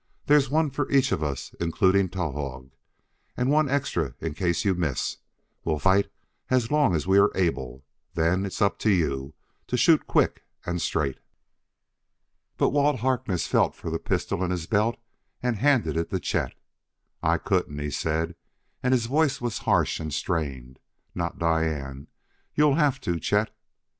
There's one for each of us including Towahg, and one extra in case you miss. We'll fight as long as we are able; then it's up to you to shoot quick and straight." But Walt Harkness felt for the pistol in his belt and handed it to Chet. "I couldn't," he said, and his voice was harsh and strained, " not Diane; you'll have to, Chet."